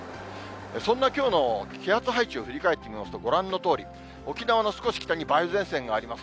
そんなきょうの気圧配置を振り返ってみますと、ご覧のとおり、沖縄の少し北に梅雨前線があります。